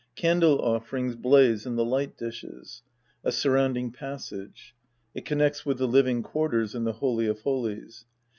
Candle offerings blaze in the light dishes. A surrounding passage. It connects with the living quarters and the holy of holies.